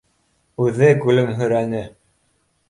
Үҙе көлөмһөрәне: